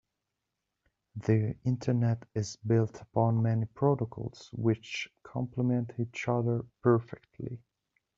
The internet is built upon many protocols which compliment each other perfectly.